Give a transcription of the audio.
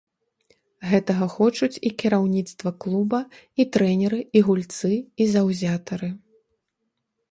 Гэтага хочуць і кіраўніцтва клуба, і трэнеры, і гульцы, і заўзятары.